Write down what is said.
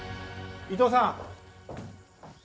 伊藤さん！